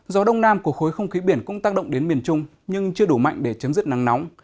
gió đông nam của khối không khí biển cũng tác động đến miền trung nhưng chưa đủ mạnh để chấm dứt nắng nóng